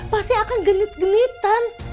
pasti akang genit genitan